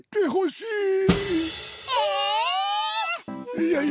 いやいや